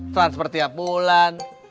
transpor tiap bulan